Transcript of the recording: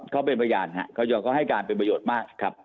เขาเป็นพยานครับเขาให้การเป็นประโยชน์มากครับ